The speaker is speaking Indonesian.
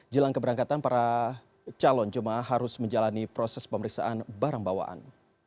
jelang keberangkatan para calon jemaah harus menjalani proses pemeriksaan barang bawaan